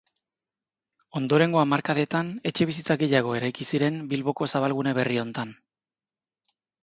Ondorengo hamarkadetan etxebizitza gehiago eraiki ziren, Bilboko zabalgune berri hontan.